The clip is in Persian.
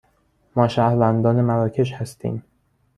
ما شهروندان مراکش هستیم.